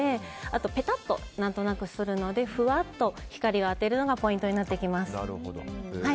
あとぺたっと何となくするのでふわっと光を当てるのがポイントになってきます。